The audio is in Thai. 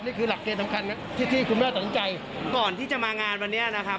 นี่คือหลักเกณฑ์สำคัญที่ที่คุณแม่ตัดสินใจก่อนที่จะมางานวันนี้นะครับ